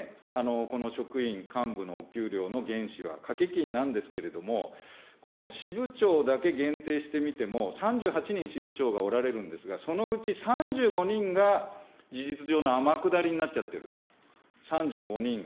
この職員、幹部のお給料の原資は掛け金なんですけれども、支部長だけ限定してみても、３８人支部長がおられるんですが、そのうち３５人が事実上の天下りになっちゃってる、３５人が。